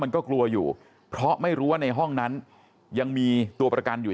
กลัวอยู่เพราะไม่รู้ว่าในห้องนั้นยังมีตัวประกันอยู่